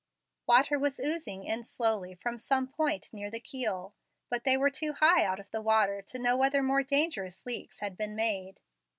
Water was oozing in slowly from some point near the keel, but they were too high out of the water to know whether more dangerous leaks had been made.